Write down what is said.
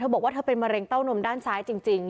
บอกว่าเธอเป็นมะเร็งเต้านมด้านซ้ายจริง